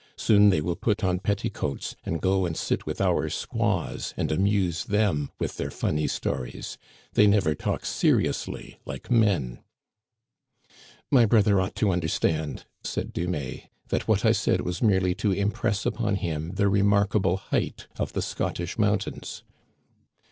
Soon they will put on petticoats and go and sit with our squaws, and amuse them with their funny stories. They never talk seriously like men." "My brother ought to understand," said Dumais, " that what I said was merely to impress upon him the remarkable height of the Scottish mountains."